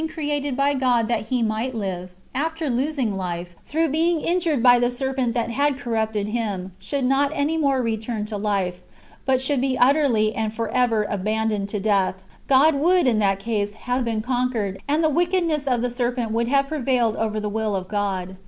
363 by God that he might live, after losing life, through bejng injured by the serpent that had corrupted him, should not any more return to life, but should be utterly [and for ever] abandoned to death, God would [in that case] have been conquered, and the wickedness of the serpent would have prevailed over the will of God.